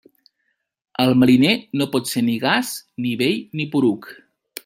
El mariner no pot ser ni gas, ni vell ni poruc.